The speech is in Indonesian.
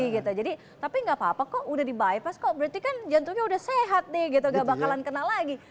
tapi gak apa apa kok udah di bypass kok berarti kan jantungnya udah sehat deh gak bakalan kena lagi